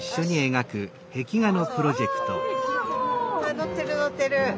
塗ってる塗ってる。